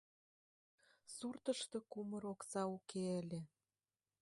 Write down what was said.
Суртышто кумыр окса уке ыле.